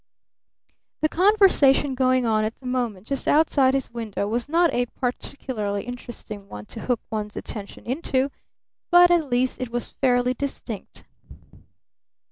The conversation going on at the moment just outside his window was not a particularly interesting one to hook one's attention into, but at least it was fairly distinct.